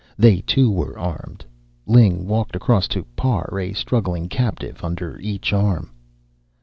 They, too, were armed. Ling walked across to Parr, a struggling captive under each arm.